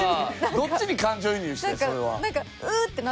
どっちに感情移入してるの？